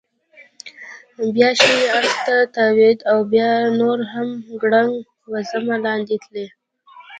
بیا ښي اړخ ته تاوېده او بیا نور هم ګړنګ وزمه لاندې تلی.